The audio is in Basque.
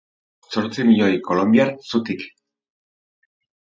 Zortzi milioi kolonbiar zutik.